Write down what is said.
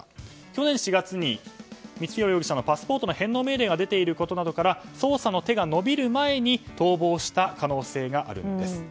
去年４月に、光弘容疑者のパスポートの返納命令が出ていることから捜査の手が伸びる前に逃亡した可能性があるんです。